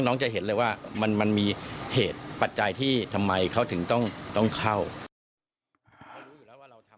จะเห็นเลยว่ามันมีเหตุปัจจัยที่ทำไมเขาถึงต้องเข้า